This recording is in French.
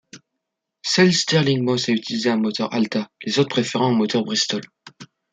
Seul Stirling Moss a utilisé un moteur Alta, les autres préférant un moteur Bristol.